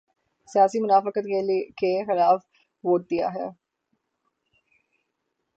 سیاسی منافقت کے خلاف ووٹ دیا ہے۔